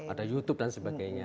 ada youtube dan sebagainya